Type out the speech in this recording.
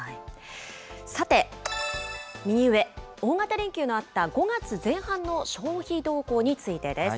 さて、右上、大型連休のあった５月前半の消費動向についてです。